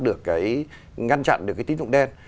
được cái ngăn chặn được cái tín dụng đen